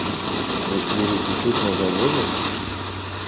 Вы служыце тут на заводзе?